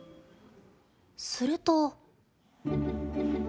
すると。